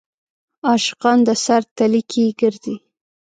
عاشقان د سر تلي کې ګرځي.